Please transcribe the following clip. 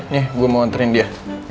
nih gue mau antarin dia